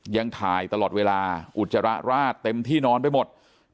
ยังถ่ายตลอดเวลาอุจจาระราดเต็มที่นอนไปหมด